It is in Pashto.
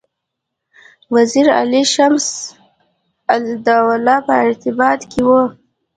وزیر علي او شمس الدوله په ارتباط کې وه.